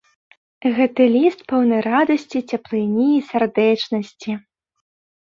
Гэты ліст поўны радасці, цяплыні і сардэчнасці.